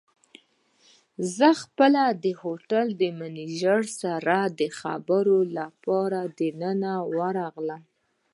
زه خپله د هوټل له مېنېجر سره د خبرو لپاره دننه ورغلم.